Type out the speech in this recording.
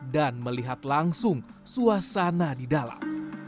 dan melihat langsung suasana di dalam